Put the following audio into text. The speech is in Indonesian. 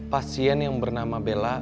pasien yang bernama bella